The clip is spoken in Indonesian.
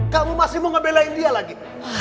kamu masih mau ngebelain dia lagi